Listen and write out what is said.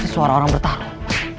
suara orang bertarung